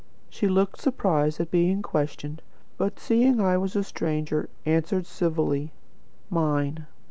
She looked surprised at being questioned, but seeing I was a stranger, answered civilly: 'Mine.'